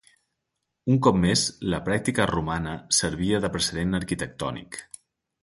Un cop més, la pràctica romana servia de precedent arquitectònic.